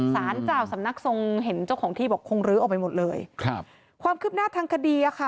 สารเจ้าสำนักทรงเห็นเจ้าของที่บอกคงลื้อออกไปหมดเลยครับความคืบหน้าทางคดีอ่ะค่ะ